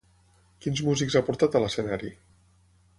Quins músics ha portat a l'escenari?